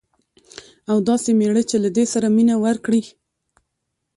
او داسي میړه چې له دې سره مینه وکړي